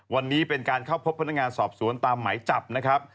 วันนี้เป็นการเข้าพบพนักงานสอบสวนตามหมายจับนะครับ